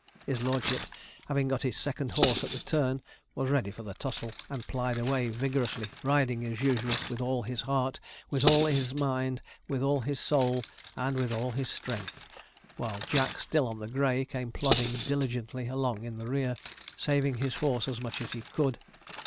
His lordship having got his second horse at the turn, was ready for the tussle, and plied away vigorously, riding, as usual, with all his heart, with all his mind, with all his soul, and with all his strength; while Jack, still on the grey, came plodding diligently along in the rear, saving his horse as much as he could.